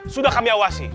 sudah kami awasi